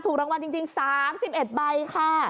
ถูกรางวัลจริง๓๑ใบค่ะ